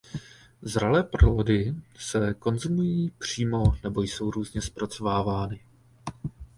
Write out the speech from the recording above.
Zralé plody se konzumují přímo nebo jsou různě zpracovávány.